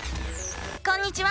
こんにちは！